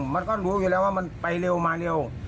มันก็รู้อยู่แล้วว่ามันไปเร็วมาเร็ว